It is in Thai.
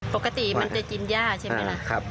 ปกติมันจะกินย่าใช่ไหมล่ะ